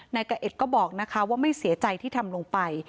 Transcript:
กะเอ็ดก็บอกนะคะว่าไม่เสียใจที่ทำลงไป